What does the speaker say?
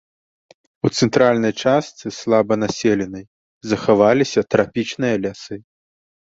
У цэнтральнай частцы, слаба населенай, захаваліся трапічныя лясы.